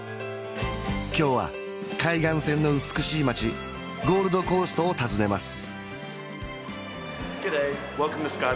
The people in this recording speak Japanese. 今日は海岸線の美しい街ゴールドコーストを訪ねます